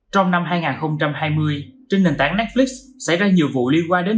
trong năm hai nghìn hai mươi trên nền tảng netflix xảy ra nhiều vụ liên quan đến